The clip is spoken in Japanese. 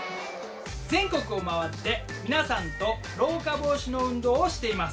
全国を回って皆さんと老化防止の運動をしています。